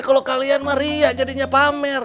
ya kalau kalian mah riak jadinya pamer